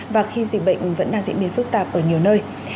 và khi dịch bệnh vẫn đang diễn biến phức tạp ở nhiều nơi